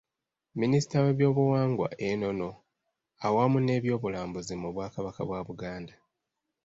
Minisita w’ebyobuwangwa, ennono awamu n’ebyobulambuzi mu Bwakabaka bwa Buganda.